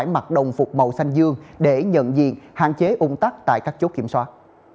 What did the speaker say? mặt đồng phục màu xanh dương để nhận diện hạn chế ung tắc tại các chốt kiểm soát